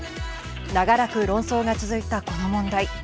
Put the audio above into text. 長らく論争が続いた、この問題